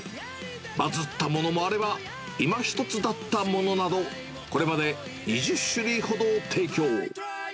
バズったものもあれば、いま一つだったものなど、これまで２０種類ほどを提供。